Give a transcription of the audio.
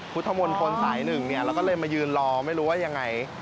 ฟุธมนต์ฮล์สายหนึ่งแล้วก็เลยมายืนรอไม่รู้ว่ายังไง